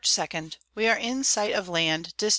_ We are in sight of Land, dist.